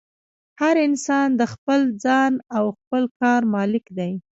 هر انسان د خپل ځان او خپل کار مالک دی.